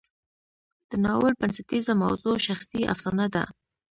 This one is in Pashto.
د ناول بنسټیزه موضوع شخصي افسانه ده.